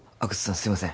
すいません